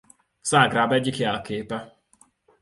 Zágráb egyik jelképe.